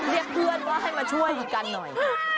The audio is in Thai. เรียกเพื่อนว่าให้มาช่วยอีกกันหน่อย